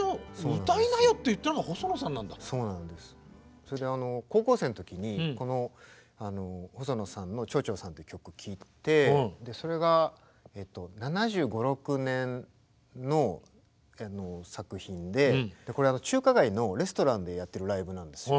それで高校生の時にこの細野さんの「蝶々−Ｓａｎ」って曲聴いてそれが７５７６年の作品でこれ中華街のレストランでやってるライブなんですよ。